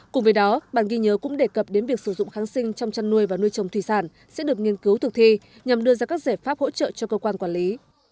cùng với đó bản ghi nhớ cũng đề cập đến việc sử dụng kháng sinh trong chăn nuôi và nuôi trồng thủy sản sẽ được nghiên cứu thực thi nhằm đưa ra các giải pháp hỗ trợ cho cơ quan quản lý